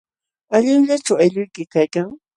¿Allinllachum aylluyki kaykan?